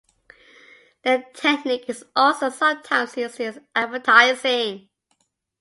The technique is also sometimes used in advertising.